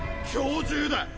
今日中だ。